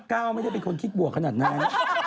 ก้าวไม่ได้เป็นคนคิดบวกขนาดนั้น